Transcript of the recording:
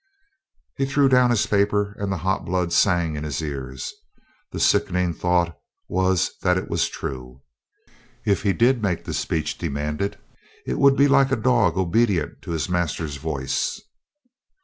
He threw down his paper, and the hot blood sang in his ears. The sickening thought was that it was true. If he did make the speech demanded it would be like a dog obedient to his master's voice.